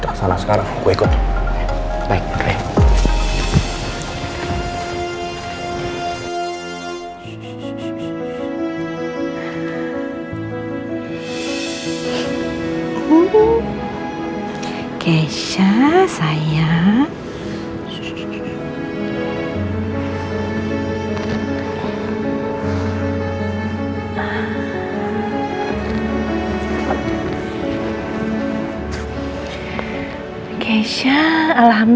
klinik peninsula park apartemen